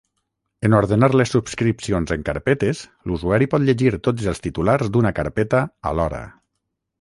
En ordenar les subscripcions en carpetes, l'usuari pot llegir tots els titulars d'una carpeta alhora.